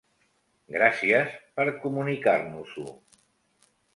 Gràcies per comunicar-nos-ho.